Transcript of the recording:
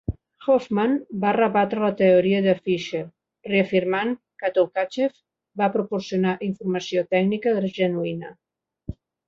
Hoffman va rebatre la teoria de Fischer, reafirmant que Tolkachev va proporcionar informació tècnica genuïna.